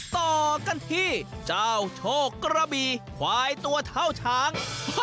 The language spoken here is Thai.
ต่อกันที่เจ้าโชคกระบีควายตัวเท่าช้าง